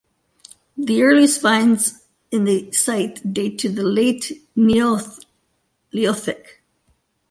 The earliest finds in the site date to the late Neolithic.